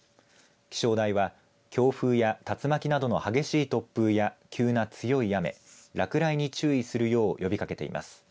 気象台は強風や竜巻などの激しい突風や急な強い雨、落雷に注意するよう呼びかけています。